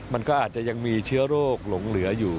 มันก็อาจจะยังมีเชื้อโรคหลงเหลืออยู่